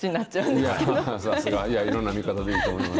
さすが、いろんな見方でいいと思います。